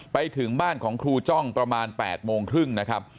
ไปถึงบ้านของครูจ้องประมาณ๘โมงครึ่งนะครับ